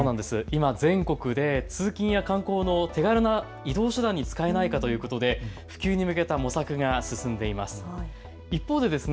今、全国で通勤や観光の手軽な移動手段に使えないかということで普及に向けた模索が進んでいるんです。